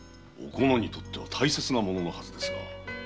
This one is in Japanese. おこのにとっては大切な物のはずですが。